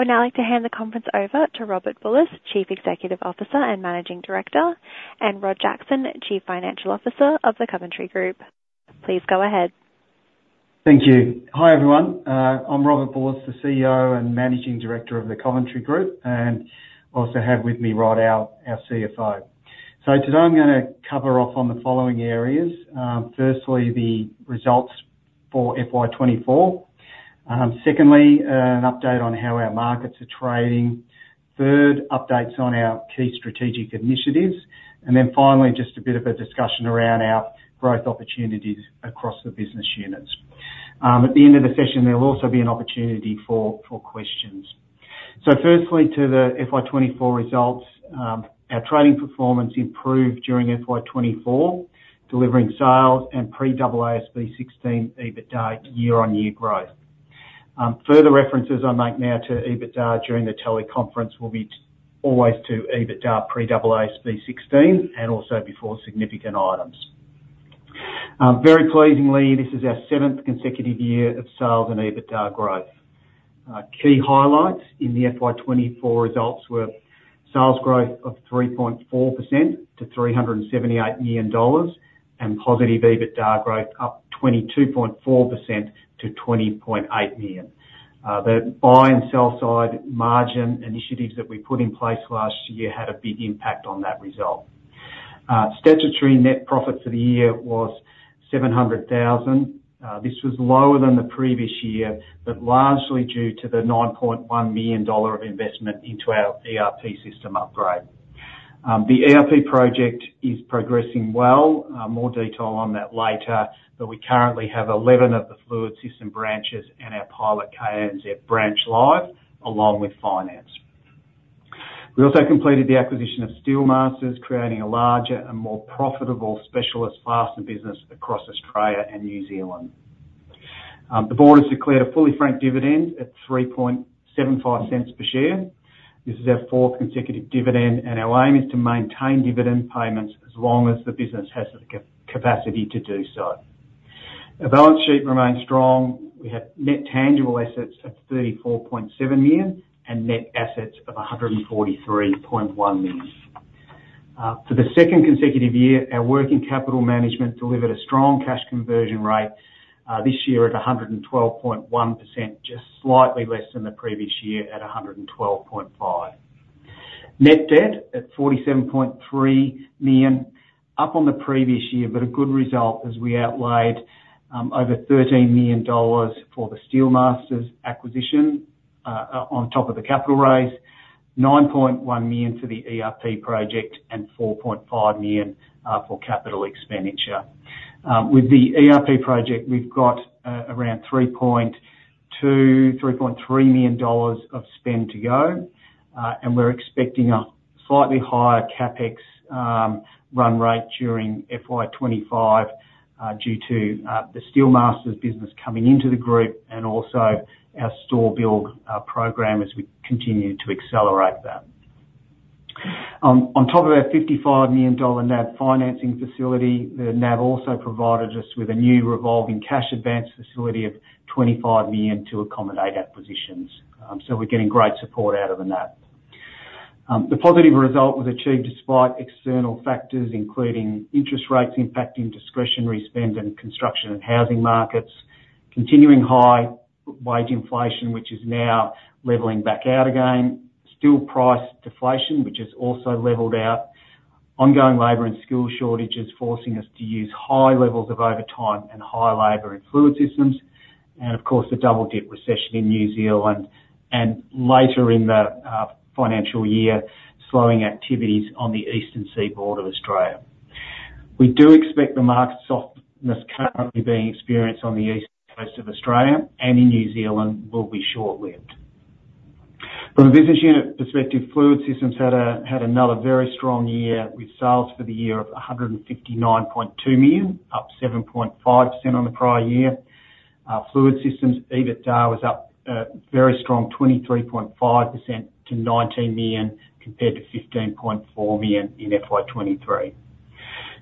I'd now like to hand the conference over to Robert Bulluss, Chief Executive Officer and Managing Director, and Rod Jackson, Chief Financial Officer of the Coventry Group. Please go ahead. Thank you. Hi, everyone. I'm Robert Bulluss, the CEO and Managing Director of the Coventry Group, and also have with me Rod, our CFO, so today I'm gonna cover off on the following areas. Firstly, the results for FY 2024. Secondly, an update on how our markets are trading. Third, updates on our key strategic initiatives, and then finally, just a bit of a discussion around our growth opportunities across the business units. At the end of the session, there'll be an opportunity for questions. So firstly, to the FY 2024 results, our trading performance improved during FY 2024, delivering sales and pre-AASB 16 EBITDA year-on-year growth. Further references I'll make now to EBITDA during the teleconference will be always to EBITDA pre-AASB 16 and also before significant items. Very pleasingly, this is our seventh consecutive year of sales and EBITDA growth. Key highlights in the FY 2024 results were sales growth of 3.4% to 378 million dollars, and positive EBITDA growth, up 22.4% to 20.8 million. The Buy and Sell Side Margin Initiatives that we put in place last year had a big impact on that result. Statutory net profit for the year was 700,000. This was lower than the previous year, but largely due to the 9.1 million dollar of investment into our ERP system upgrade. The ERP project is progressing well, more detail on that later, but we currently have 11 of the Fluid Systems branches and our pilot K&A NZ branch live, along with finance. We also completed the acquisition of Steelmasters, creating a larger and more profitable specialist fastener business across Australia and New Zealand. The board has declared a fully franked dividend at 3.75 cents per share. This is our fourth consecutive dividend, and our aim is to maintain dividend payments as long as the business has the capacity to do so. The balance sheet remains strong. We have net tangible assets of 34.7 million, and net assets of 143.1 million. For the second consecutive year, our working capital management delivered a strong cash conversion rate, this year at 112.1%, just slightly less than the previous year at 112.5%. Net debt at 47.3 million, up on the previous year, but a good result as we outlaid over 13 million dollars for the Steelmasters acquisition, on top of the capital raise, 9.1 million for the ERP project, and 4.5 million for capital expenditure. With the ERP project, we've got around 3.2-3.3 million dollars to go, and we're expecting a slightly higher CapEx run rate during FY 2025, due to the Steelmasters business coming into the group, and also our store build program as we continue to accelerate that. On top of our 55 million dollar NAB financing facility, the NAB also provided us with a new revolving cash advance facility of 25 million to accommodate acquisitions. So we're getting great support out of the NAB. The positive result was achieved despite external factors, including interest rates impacting discretionary spend and construction and housing markets, continuing high wage inflation, which is now leveling back out again, steel price deflation, which has also leveled out, ongoing labor and skill shortages, forcing us to use high levels of overtime and high labor in Fluid Systems, and of course, the double-dip recession in New Zealand, and later in the financial year, slowing activities on the eastern seaboard of Australia. We do expect the market softness currently being experienced on the east coast of Australia and in New Zealand will be short-lived. From a business unit perspective, Fluid Systems had another very strong year, with sales for the year of 159.2 million, up 7.5% on the prior year. Fluid Systems, EBITDA was up a very strong 23.5% to 19 million, compared to 15.4 million in FY 2023.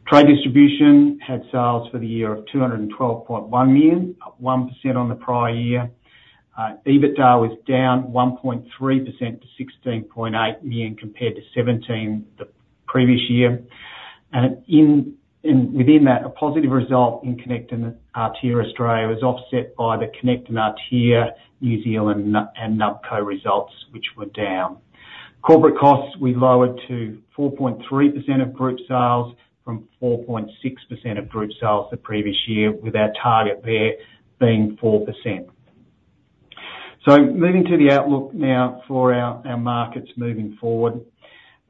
Trade Distribution had sales for the year of 212.1 million, up 1% on the prior year. EBITDA was down 1.3% to 16.8 million, compared to 17 million the previous year. And within that, a positive result in Konnect and Artia Australia was offset by the Konnect and Artia New Zealand and Nubco results, which were down. Corporate costs, we lowered to 4.3% of group sales from 4.6% of group sales the previous year, with our target there being 4%. So moving to the outlook now for our markets moving forward.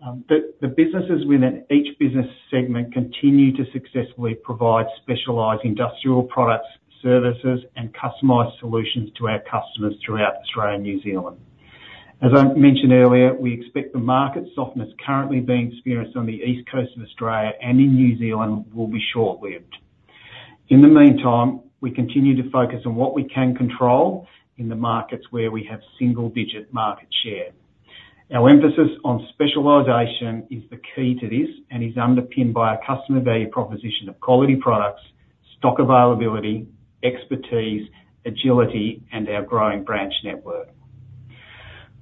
The businesses within each business segment continue to successfully provide specialized industrial products, services, and customized solutions to our customers throughout Australia and New Zealand. As I mentioned earlier, we expect the market softness currently being experienced on the east coast of Australia and in New Zealand will be short-lived. In the meantime, we continue to focus on what we can control in the markets where we have single-digit market share.... Our emphasis on specialization is the key to this, and is underpinned by our customer value proposition of quality products, stock availability, expertise, agility, and our growing branch network.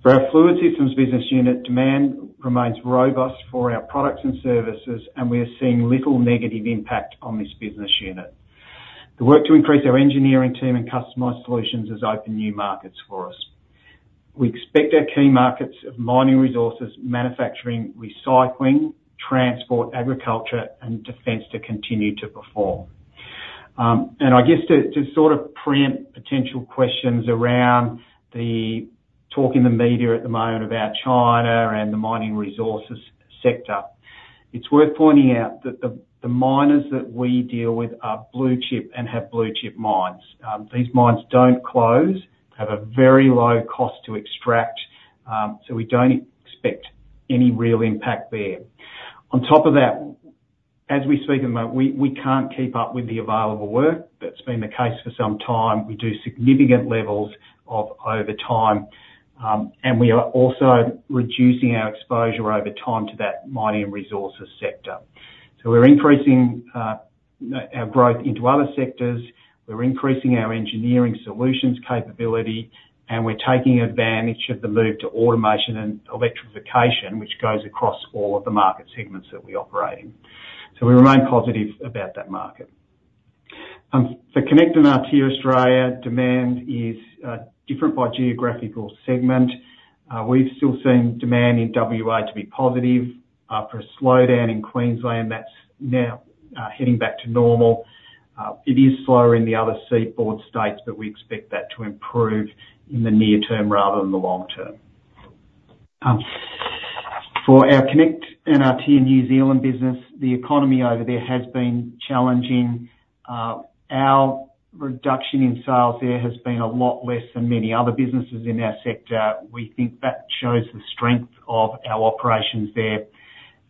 For our Fluid Systems business unit, demand remains robust for our products and services, and we are seeing little negative impact on this business unit. The work to increase our engineering team and customized solutions has opened new markets for us. We expect our key markets of mining resources, manufacturing, recycling, transport, agriculture, and defense to continue to perform, and I guess to sort of preempt potential questions around the talk in the media at the moment about China and the mining resources sector. It's worth pointing out that the miners that we deal with are blue chip and have blue chip mines. These mines don't close, have a very low cost to extract, so we don't expect any real impact there. On top of that, as we speak at the moment, we can't keep up with the available work. That's been the case for some time. We do significant levels of overtime, and we are also reducing our exposure over time to that mining and resources sector. So we're increasing our growth into other sectors, we're increasing our engineering solutions capability, and we're taking advantage of the move to automation and electrification, which goes across all of the market segments that we operate in. So we remain positive about that market. For Konnect and Artia Australia, demand is different by geographical segment. We've still seen demand in WA to be positive. For a slowdown in Queensland, that's now heading back to normal. It is slower in the other seaboard states, but we expect that to improve in the near term rather than the long term. For our Konnect and Artia in New Zealand business, the economy over there has been challenging. Our reduction in sales there has been a lot less than many other businesses in our sector. We think that shows the strength of our operations there.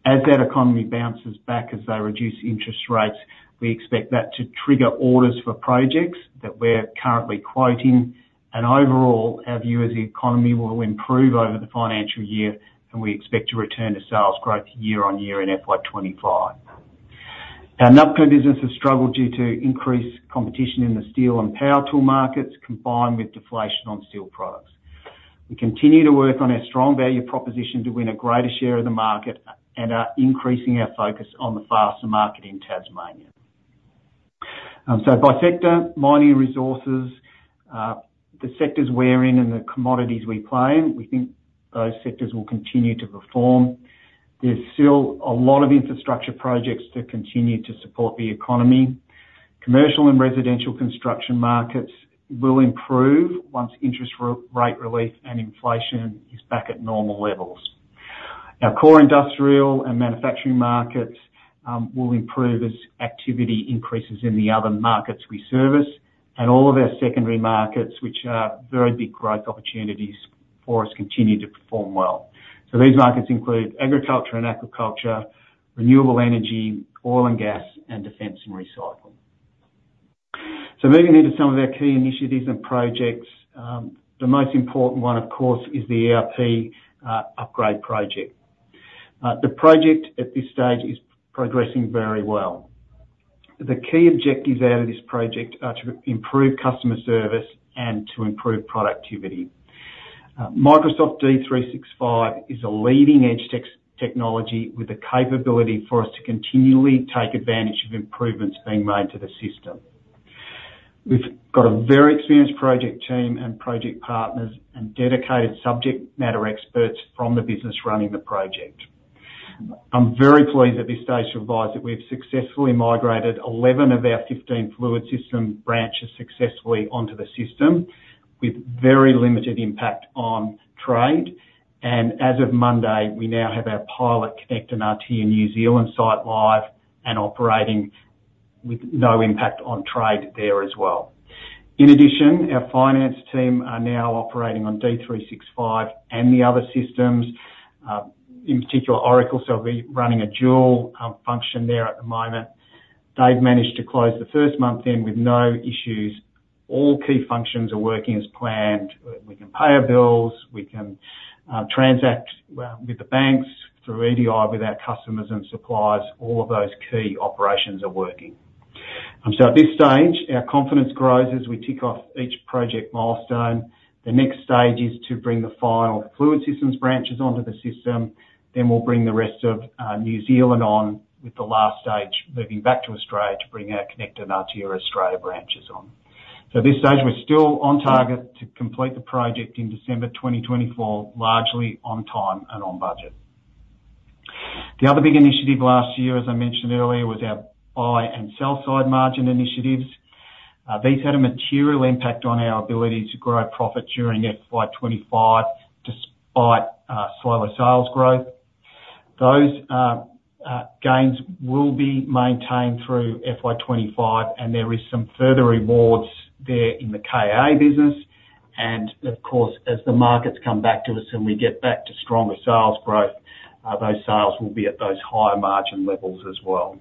As that economy bounces back, as they reduce interest rates, we expect that to trigger orders for projects that we're currently quoting. And overall, our view is the economy will improve over the financial year, and we expect to return to sales growth year on year in FY 23. Our Nubco business has struggled due to increased competition in the steel and power tool markets, combined with deflation on steel products. We continue to work on our strong value proposition to win a greater share of the market, and are increasing our focus on the fastener market in Tasmania. So by sector, mining resources, the sectors we're in and the commodities we play in, we think those sectors will continue to perform. There's still a lot of infrastructure projects to continue to support the economy. Commercial and residential construction markets will improve once interest rate relief and inflation is back at normal levels. Our core industrial and manufacturing markets will improve as activity increases in the other markets we service, and all of our secondary markets, which are very big growth opportunities for us, continue to perform well, so these markets include agriculture and aquaculture, renewable energy, oil and gas, and defense and recycling, so moving into some of our key initiatives and projects, the most important one, of course, is the ERP upgrade project. The project at this stage is progressing very well. The key objectives out of this project are to improve customer service and to improve productivity. Microsoft D365 is a leading-edge technology with the capability for us to continually take advantage of improvements being made to the system. We've got a very experienced project team, and project partners, and dedicated subject matter experts from the business running the project. I'm very pleased at this stage to advise that we've successfully migrated eleven of our fifteen Fluid Systems branches onto the system, with very limited impact on trade, and as of Monday, we now have our pilot Konnect and Artia New Zealand site live and operating with no impact on trade there as well. In addition, our finance team are now operating on D365 and the other systems, in particular Oracle, so we're running a dual function there at the moment. They've managed to close the first month in with no issues. All key functions are working as planned. We can pay our bills, we can transact with the banks through EDI, with our customers and suppliers. All of those key operations are working. So at this stage, our confidence grows as we tick off each project milestone. The next stage is to bring the final Fluid Systems branches onto the system. Then we'll bring the rest of New Zealand on, with the last stage moving back to Australia to bring our Konnect and Artia Australia branches on. So at this stage, we're still on target to complete the project in December 2024, largely on time and on budget. The other big initiative last year, as I mentioned earlier, was our buy and sell side margin initiatives. These had a material impact on our ability to grow profit during FY 2025, despite slower sales growth. Those gains will be maintained through FY 2025, and there is some further rewards there in the KA business. Of course, as the markets come back to us and we get back to stronger sales growth, those sales will be at those higher margin levels as well.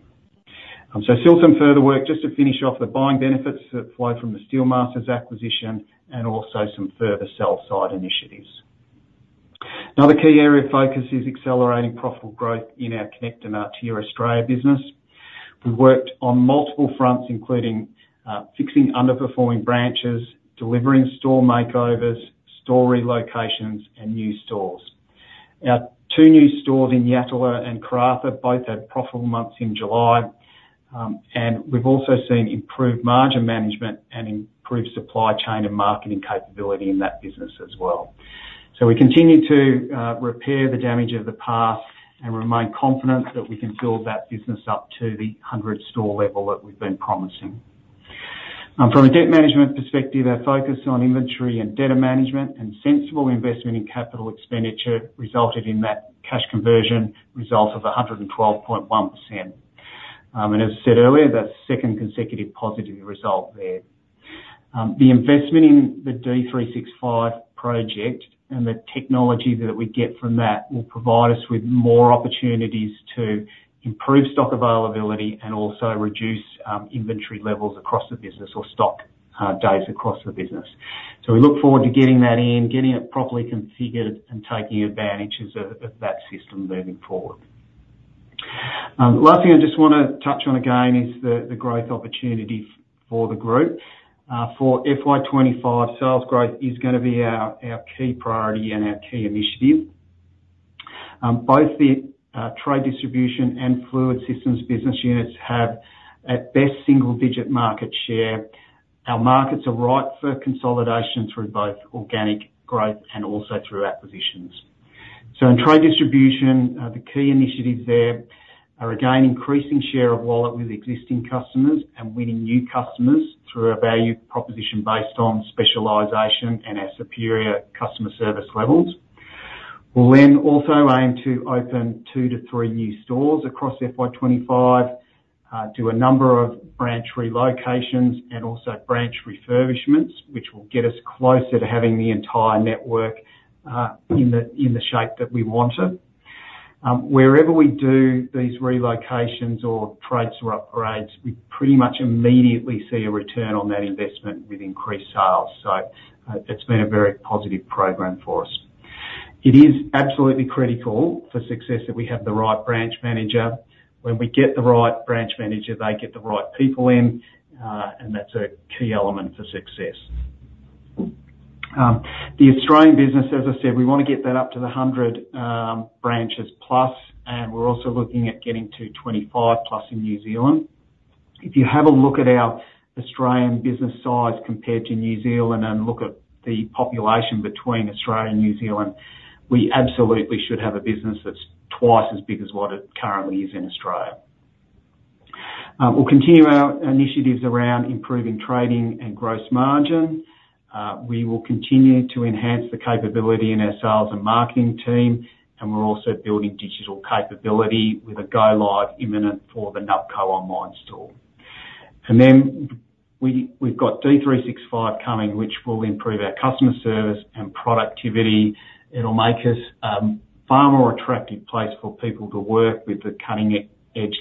Still some further work just to finish off the buying benefits that flow from the Steelmasters acquisition, and also some further sell side initiatives. Another key area of focus is accelerating profitable growth in our Konnect and Artia Australia business. We've worked on multiple fronts, including fixing underperforming branches, delivering store makeovers, store relocations, and new stores. Our two new stores in Yatala and Karratha both had profitable months in July, and we've also seen improved margin management and improved supply chain and marketing capability in that business as well. So we continue to repair the damage of the past and remain confident that we can build that business up to the hundred store level that we've been promising. From a debt management perspective, our focus on inventory and debtor management and sensible investment in capital expenditure resulted in that cash conversion result of 112.1%. And as I said earlier, that's second consecutive positive result there. The investment in the D365 project and the technology that we get from that will provide us with more opportunities to improve stock availability and also reduce inventory levels across the business or stock days across the business. So we look forward to getting that in, getting it properly configured, and taking advantages of that system moving forward. Last thing I just wanna touch on again is the growth opportunity for the group. For FY 2025, sales growth is gonna be our key priority and our key initiative. Both the Trade Distribution and Fluid Systems business units have, at best, single-digit market share. Our markets are ripe for consolidation through both organic growth and also through acquisitions. In Trade Distribution, the key initiatives there are, again, increasing share of wallet with existing customers and winning new customers through a value proposition based on specialization and our superior customer service levels. We'll then also aim to open two to three new stores across FY 2025, do a number of branch relocations and also branch refurbishments, which will get us closer to having the entire network in the shape that we want it. Wherever we do these relocations or trades or upgrades, we pretty much immediately see a return on that investment with increased sales, so, it's been a very positive program for us. It is absolutely critical for success that we have the right branch manager. When we get the right branch manager, they get the right people in, and that's a key element for success. The Australian business, as I said, we wanna get that up to the hundred, branches plus, and we're also looking at getting to 2025 plus in New Zealand. If you have a look at our Australian business size compared to New Zealand, and look at the population between Australia and New Zealand, we absolutely should have a business that's twice as big as what it currently is in Australia. We'll continue our initiatives around improving trading and gross margin. We will continue to enhance the capability in our sales and marketing team, and we're also building digital capability with a go live imminent for the Nubco online store. And then we've got D365 coming, which will improve our customer service and productivity. It'll make us a far more attractive place for people to work with the cutting-edge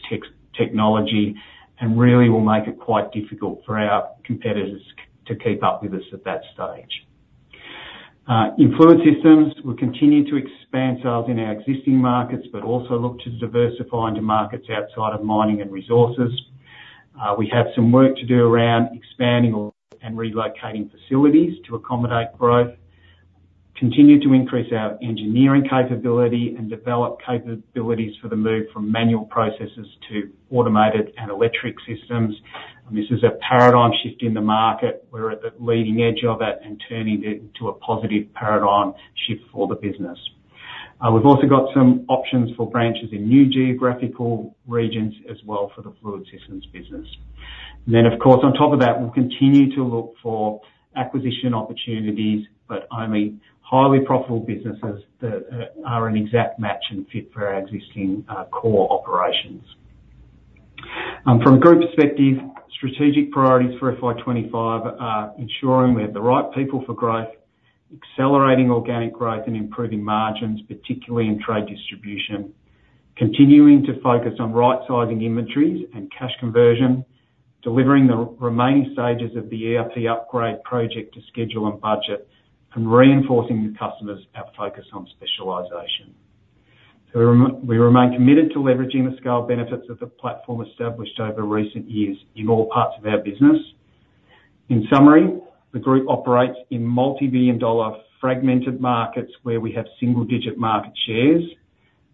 technology, and really will make it quite difficult for our competitors to keep up with us at that stage. In Fluid Systems, we'll continue to expand sales in our existing markets, but also look to diversify into markets outside of mining and resources. We have some work to do around expanding and relocating facilities to accommodate growth, continue to increase our engineering capability, and develop capabilities for the move from manual processes to automated and electric systems. And this is a paradigm shift in the market. We're at the leading edge of it and turning it into a positive paradigm shift for the business. We've also got some options for branches in new geographical regions as well, for the Fluid Systems business. And then, of course, on top of that, we'll continue to look for acquisition opportunities, but only highly profitable businesses that are an exact match and fit for our existing core operations. From a group perspective, strategic priorities for FY 2025 are ensuring we have the right people for growth, accelerating organic growth and improving margins, particularly in Trade Distribution, continuing to focus on right-sizing inventories and cash conversion, delivering the remaining stages of the ERP upgrade project to schedule and budget, and reinforcing with customers our focus on specialization. So we remain committed to leveraging the scale benefits of the platform established over recent years in all parts of our business. In summary, the group operates in multi-billion-dollar fragmented markets where we have single-digit market shares.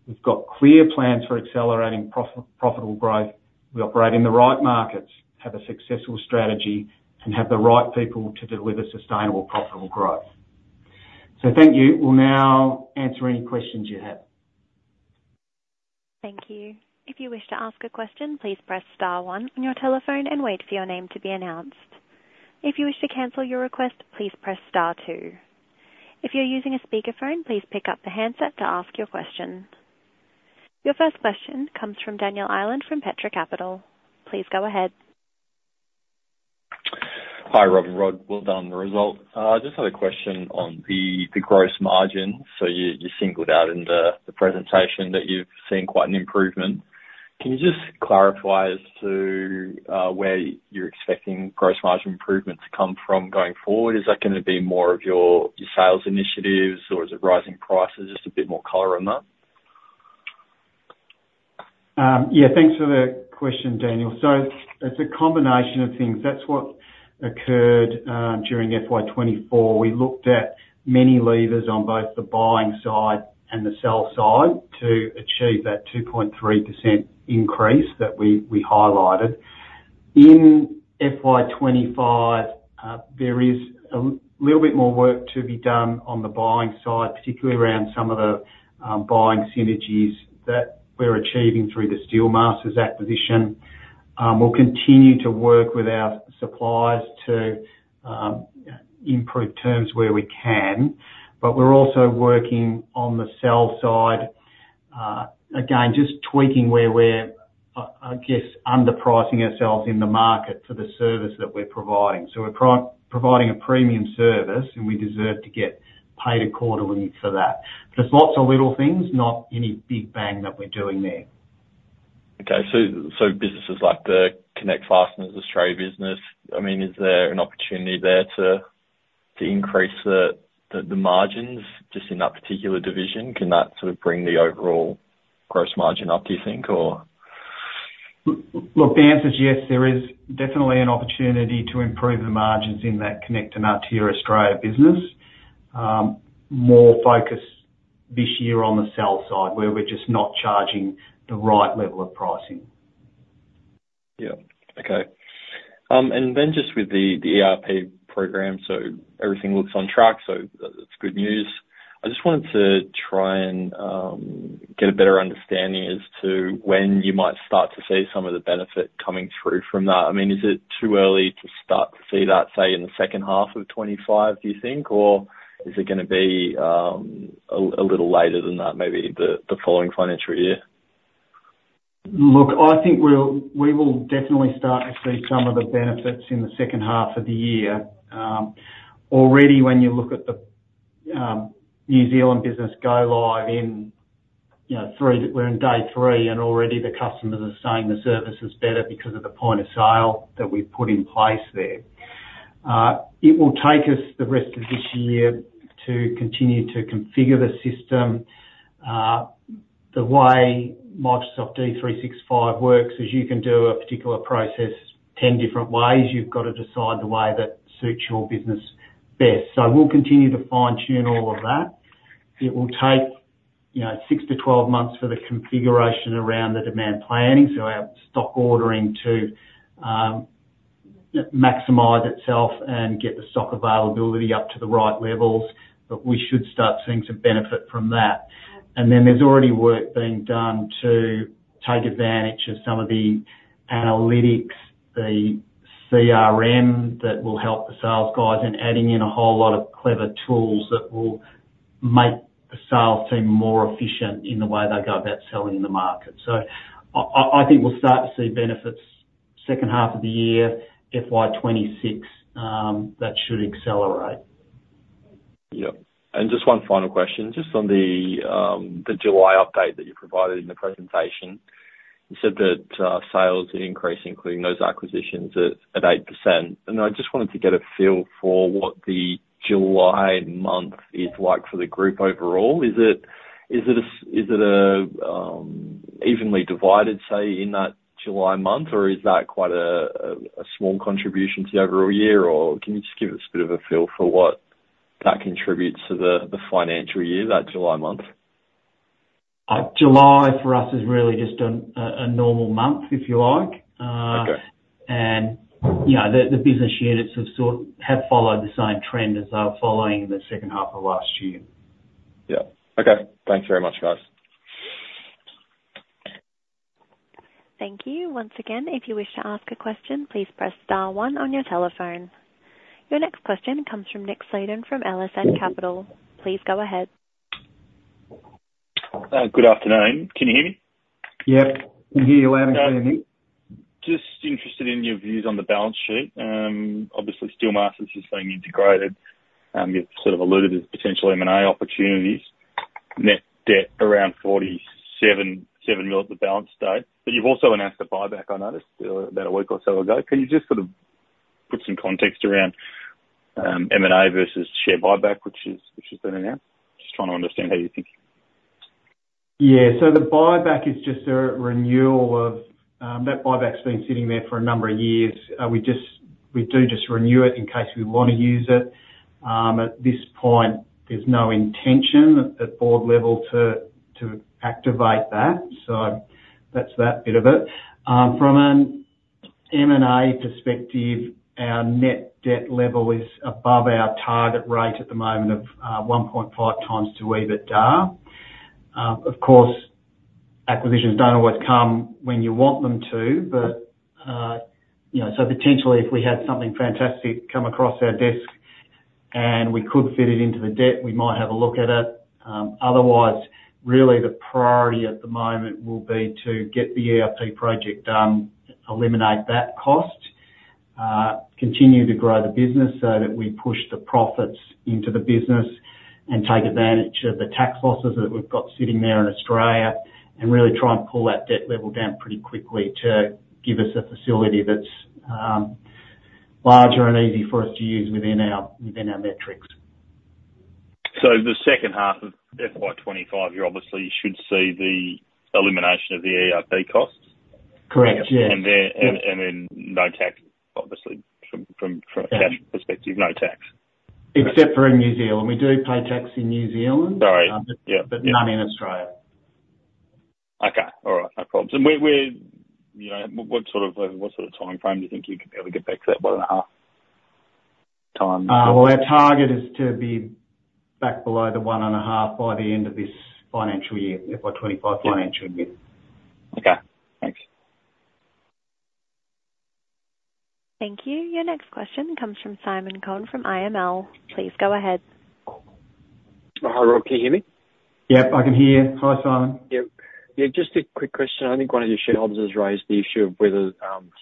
We've got clear plans for accelerating profitable growth. We operate in the right markets, have a successful strategy, and have the right people to deliver sustainable, profitable growth. So thank you. We'll now answer any questions you have. Thank you. If you wish to ask a question, please press star one on your telephone and wait for your name to be announced. If you wish to cancel your request, please press star two. If you're using a speakerphone, please pick up the handset to ask your question. Your first question comes from Daniel Ireland, from Petra Capital. Please go ahead. Hi, Rob and Rod. Well done on the result. I just had a question on the gross margin. So you singled out in the presentation that you've seen quite an improvement. Can you just clarify as to where you're expecting gross margin improvement to come from going forward? Is that gonna be more of your sales initiatives, or is it rising prices? Just a bit more color on that. Yeah, thanks for the question, Daniel, so it's a combination of things. That's what occurred during FY 2024. We looked at many levers on both the buying side and the sell side to achieve that 2.3% increase that we highlighted. In FY 2025, there is a little bit more work to be done on the buying side, particularly around some of the buying synergies that we're achieving through the Steelmasters acquisition. We'll continue to work with our suppliers to improve terms where we can, but we're also working on the sell side. Again, just tweaking where we're, I guess, underpricing ourselves in the market for the service that we're providing, so we're providing a premium service, and we deserve to get paid accordingly for that. There's lots of little things, not any big bang that we're doing there. Okay. So businesses like the Konnect and Artia Australia business, I mean, is there an opportunity there to increase the margins just in that particular division? Can that sort of bring the overall gross margin up, do you think, or? Look, the answer is yes, there is definitely an opportunity to improve the margins in that Konnect and Artia Australia business. More focus this year on the sell side, where we're just not charging the right level of pricing. Yeah. Okay. And then just with the ERP program, so everything looks on track, so that's good news. I just wanted to try and get a better understanding as to when you might start to see some of the benefit coming through from that. I mean, is it too early to start to see that, say, in the second half of twenty-five, do you think? Or is it gonna be a little later than that, maybe the following financial year? Look, I think we will definitely start to see some of the benefits in the second half of the year. Already when you look at the New Zealand business go live in, you know, three, we're in day three, and already the customers are saying the service is better because of the point of sale that we've put in place there. It will take us the rest of this year to continue to configure the system. The way Microsoft D365 works is you can do a particular process 10 different ways. You've got to decide the way that suits your business best. So we'll continue to fine-tune all of that. It will take, you know, six to 12 months for the configuration around the demand planning, so our stock ordering to maximize itself and get the stock availability up to the right levels, but we should start seeing some benefit from that. And then there's already work being done to take advantage of some of the analytics, the CRM, that will help the sales guys, and adding in a whole lot of clever tools that will make the sales team more efficient in the way they go about selling the market. So I think we'll start to see benefits second half of the year, FY 2026, that should accelerate. Yeah, and just one final question, just on the July update that you provided in the presentation. You said that sales increased, including those acquisitions at 8%, and I just wanted to get a feel for what the July month is like for the group overall. Is it evenly divided, say, in that July month, or is that quite a small contribution to the overall year, or can you just give us a bit of a feel for what that contributes to the financial year, that July month? July for us is really just a normal month, if you like. Okay. You know, the business units have sort of followed the same trend as they were following in the second half of last year. Yeah. Okay. Thanks very much, guys. Thank you. Once again, if you wish to ask a question, please press star one on your telephone. Your next question comes from Nick Sladen, from LSN Capital. Please go ahead. Good afternoon. Can you hear me? Yep, can hear you loud and clear, Nick. Just interested in your views on the balance sheet. Obviously, Steelmasters is being integrated. You've sort of alluded to potential M&A opportunities, net debt around 47.7 million at the balance date, but you've also announced a buyback, I noticed, about a week or so ago. Can you just sort of put some context around M&A versus share buyback, which has been announced? Just trying to understand how you're thinking. Yeah, so the buyback is just a renewal of that buyback's been sitting there for a number of years. We just renew it in case we want to use it. At this point, there's no intention at board level to activate that, so that's that bit of it. From an M&A perspective, our net debt level is above our target rate at the moment of 1.5 times EBITDA. Of course, acquisitions don't always come when you want them to, but you know, so potentially, if we had something fantastic come across our desk and we could fit it into the debt, we might have a look at it. Otherwise, really, the priority at the moment will be to get the ERP project done, eliminate that cost, continue to grow the business so that we push the profits into the business, and take advantage of the tax losses that we've got sitting there in Australia, and really try and pull that debt level down pretty quickly to give us a facility that's larger and easy for us to use within our metrics. So the second half of FY 2025, you obviously should see the elimination of the ERP costs? Correct, yes. No tax, obviously from a cash perspective, no tax. Except for in New Zealand. We do pay tax in New Zealand- Sorry. Yep. but none in Australia. Okay. All right, no problems and where... You know, what sort of, what sort of timeframe do you think you could be able to get back to that one and a half times? Our target is to be back below the one and a half by the end of this financial year, FY 2025. Okay, thanks. Thank you. Your next question comes from Simon Conn from IML. Please go ahead. Hi, Rob, can you hear me? Yep, I can hear you. Hi, Simon. Yep. Yeah, just a quick question. I think one of your shareholders has raised the issue of whether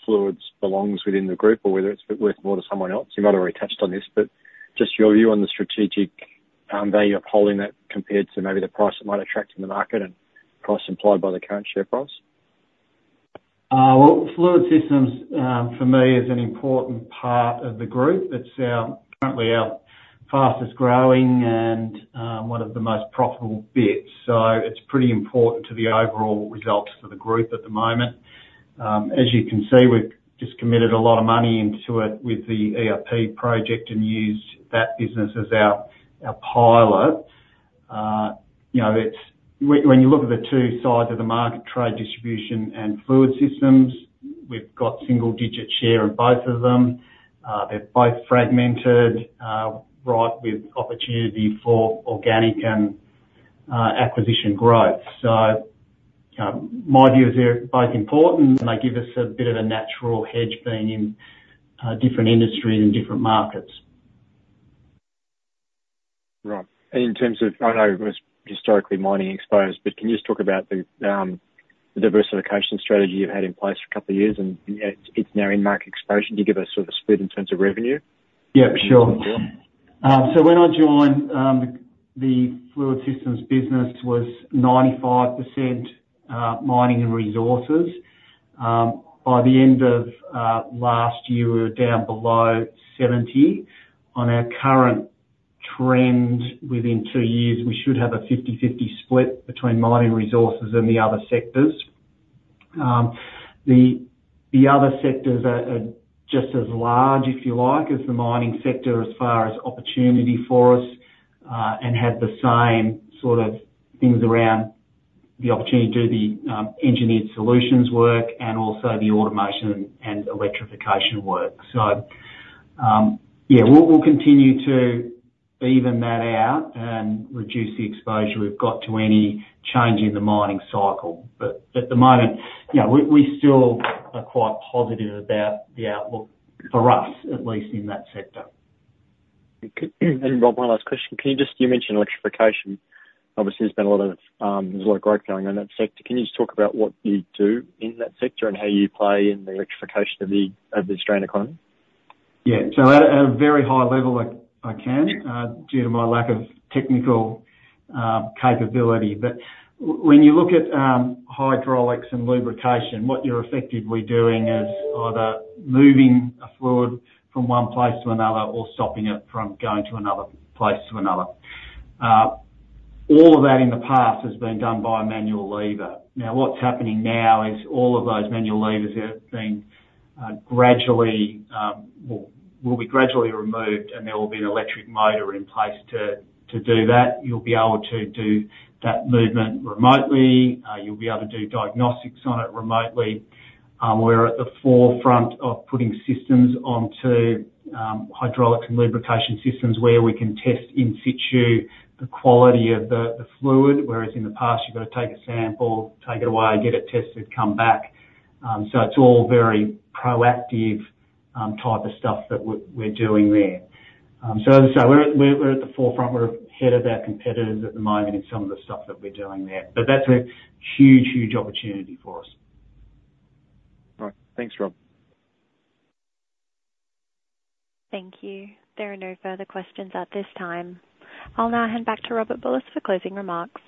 Fluid Systems belongs within the group, or whether it's worth more to someone else. You might have already touched on this, but just your view on the strategic value of holding that compared to maybe the price it might attract in the market and price implied by the current share price. Fluid Systems, for me, is an important part of the group. It's currently our fastest growing and one of the most profitable bits, so it's pretty important to the overall results for the group at the moment. As you can see, we've just committed a lot of money into it with the ERP project and used that business as our pilot. You know, when you look at the two sides of the market, Trade Distribution and Fluid Systems, we've got single digit share in both of them. They're both fragmented, ripe with opportunity for organic and acquisition growth. So, my view is they're both important, and they give us a bit of a natural hedge being in different industries and different markets. Right. In terms of, I know it was historically mining exposed, but can you just talk about the diversification strategy you've had in place for a couple of years, and, it's now in market exposure? Can you give us sort of a split in terms of revenue? Yeah, sure. So when I joined, the Fluid Systems business was 95% mining and resources. By the end of last year, we were down below 70. On our current trend, within two years, we should have a fifty-fifty split between mining resources and the other sectors. The other sectors are just as large, if you like, as the mining sector as far as opportunity for us, and have the same sort of things around the opportunity to do the engineered solutions work and also the automation and electrification work. So, yeah, we'll continue to even that out and reduce the exposure we've got to any change in the mining cycle. But at the moment, you know, we still are quite positive about the outlook for us, at least in that sector. Rob, one last question. Can you just you mentioned electrification. Obviously, there's been a lot of, there's a lot of growth going on in that sector. Can you just talk about what you do in that sector and how you play in the electrification of the Australian economy? Yeah. So at a very high level, I can, due to my lack of technical capability, but when you look at hydraulics and lubrication, what you're effectively doing is either moving a fluid from one place to another or stopping it from going to another place to another. All of that in the past has been done by a manual lever. Now, what's happening now is all of those manual levers will be gradually removed, and there will be an electric motor in place to do that. You'll be able to do that movement remotely. You'll be able to do diagnostics on it remotely. We're at the forefront of putting systems onto hydraulics and lubrication systems where we can test in situ the quality of the fluid, whereas in the past, you've got to take a sample, take it away, get it tested, come back. So it's all very proactive type of stuff that we're doing there. So as I say, we're at the forefront. We're ahead of our competitors at the moment in some of the stuff that we're doing there. But that's a huge, huge opportunity for us. All right. Thanks, Rob. Thank you. There are no further questions at this time. I'll now hand back to Robert Bulluss for closing remarks.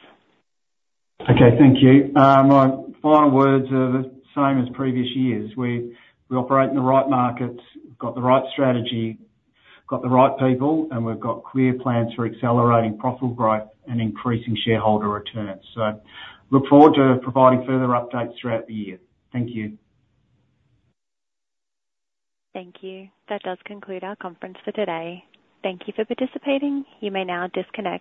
Okay, thank you. My final words are the same as previous years. We operate in the right markets, got the right strategy, got the right people, and we've got clear plans for accelerating profitable growth and increasing shareholder returns. So look forward to providing further updates throughout the year. Thank you. Thank you. That does conclude our conference for today. Thank you for participating. You may now disconnect.